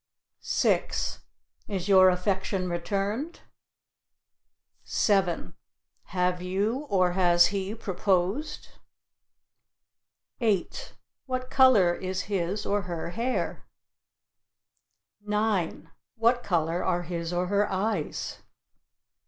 6. Is your affection returned? 7. Have you or has he proposed? 8. What color is his or her hair? 9. What color are his or her eyes?